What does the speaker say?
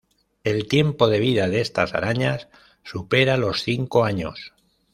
El tiempo de vida de estas arañas supera los cinco años.